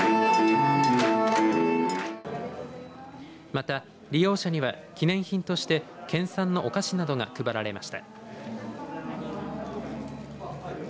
また利用者には記念品として県産のお菓子などが配られました。